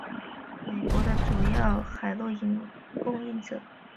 美国的主要海洛因供应者是墨西哥跨国犯罪集团。